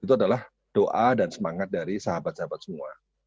itu adalah doa dan semangat dari sahabat sahabat semua